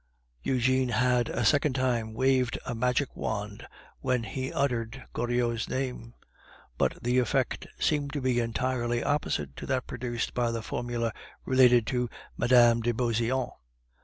Eugene had a second time waved a magic wand when he uttered Goriot's name, but the effect seemed to be entirely opposite to that produced by the formula "related to Mme. de Beauseant."